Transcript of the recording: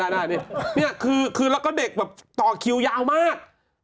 เนี่ยคือแล้วก็คือเด็กต่อคิวยาวมาก